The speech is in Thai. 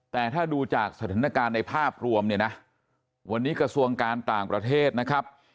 แต่ถ้าดูจากสถานการณ์ในภาพรวมเนี่ยนะวันนี้กระทรวงการต่างประเทศนะครับ